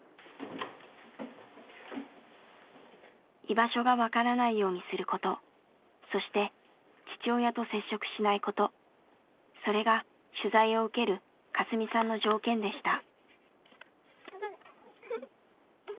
居場所が分からないようにすることそして父親と接触しないことそれが取材を受けるカスミさんの条件でした。